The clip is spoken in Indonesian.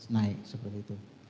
naik seperti itu